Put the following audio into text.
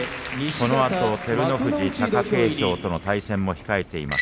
このあと、照ノ富士、貴景勝との対戦も控えています。